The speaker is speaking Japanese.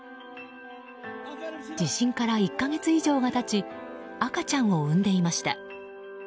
地震から１か月以上が経ち赤ちゃんを産んでいました。